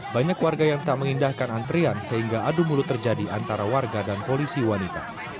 banyak warga yang tak mengindahkan antrian sehingga adu mulut terjadi antara warga dan polisi wanita